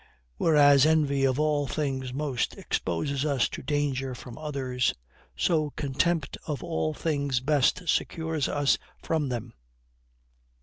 Whereas envy of all things most exposes us to danger from others, so contempt of all things best secures us from them.